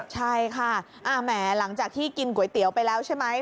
ใช่ค่ะแหมหลังจากที่กินก๋วยเตี๋ยวไปแล้วใช่ไหม